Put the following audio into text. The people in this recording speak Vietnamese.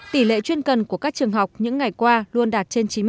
tỷ lệ chuyên cần của các trường học những ngày qua luôn đạt trên chín mươi